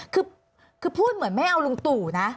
คือพูดเหมือนไม่เอาลุงตู่นะ